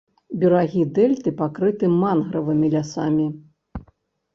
Берагі дэльты пакрыты мангравымі лясамі.